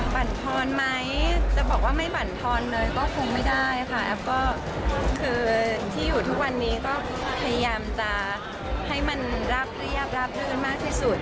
บรรทอนไหมจะบอกว่าไม่บรรทอนเลยก็คงไม่ได้ค่ะแอฟก็คือที่อยู่ทุกวันนี้ก็พยายามจะให้มันราบเรียบราบรื่นมากที่สุด